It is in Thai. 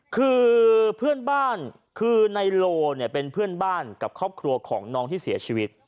คือเพื่อนบ้านคือในโลเนี่ยเป็นเพื่อนบ้านกับครอบครัวของน้องที่เสียชีวิต